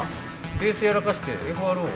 ベース柔らかしてＦ．Ｒ．Ｏ